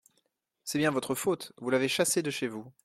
C’est bien votre faute… vous l’avez chassé de chez vous…